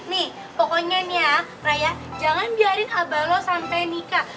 nih pokoknya nih ya raya jangan biarin abalo sampai nikah